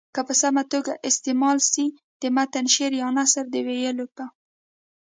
که په سمه توګه استعمال سي د متن شعر یا نثر د ویلو په